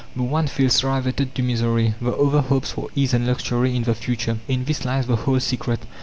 The one feels riveted to misery, the other hopes for ease and luxury in the future. In this lies the whole secret.